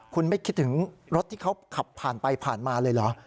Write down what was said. คุณไม่คิดถึงรถที่เขาขับผ่านไปผ่านมาเลยเหรอ